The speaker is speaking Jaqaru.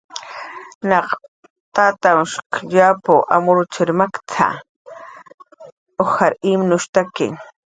Na tatanhshq yapw amrutzir ujar imnushtak maktna.